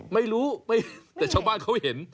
ไม่รู้แต่ชาวบ้านเขาเห็น